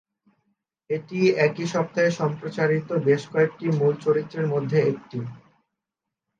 এটি একই সপ্তাহে সম্প্রচারিত বেশ কয়েকটি মূল চলচ্চিত্রের মধ্যে একটি।